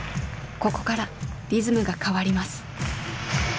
ここからリズムが変わります。